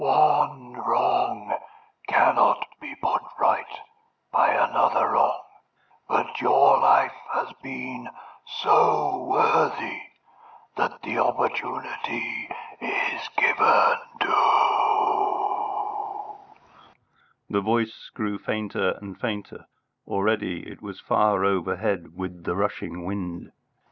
One wrong cannot be put right by another wrong, but your life has been so worthy that the opportunity is given to " The voice grew fainter and fainter, already it was far overhead with the rushing wind.